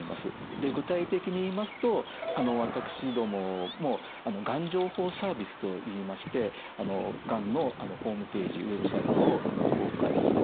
具体的に言いますと私どももがん情報サービスといいましてがんのホームページＷＥＢサイトを公開させていただいております。